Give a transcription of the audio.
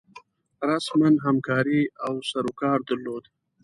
رسما همکاري او سروکار درلود.